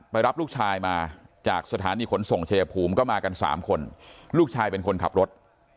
รับลูกชายมาจากสถานีขนส่งชายภูมิก็มากันสามคนลูกชายเป็นคนขับรถ